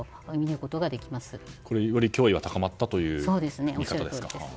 これ、より脅威が高まったという見方ですか。